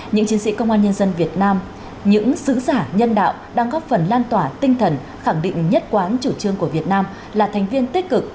những chiến sĩ công an nhân dân việt nam những sứ giả nhân đạo đang góp phần lan tỏa tinh thần khẳng định nhất quán chủ trương của việt nam là thành viên tích cực